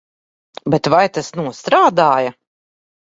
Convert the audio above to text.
Bet vai tas nostrādāja?